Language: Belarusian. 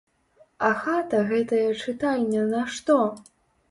А хата гэтая чытальня нашто?!